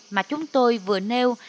mà chúng tôi vừa nêu